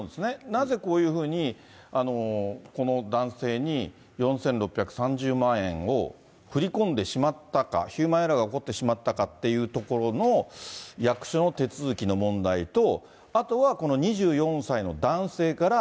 なぜこういうふうに、この男性に４６３０万を振り込んでしまったか、ヒューマンエラーが起こってしまったかというところの役所の手続きの問題と、あとはこの２４歳の男性から、